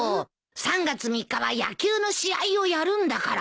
３月３日は野球の試合をやるんだから。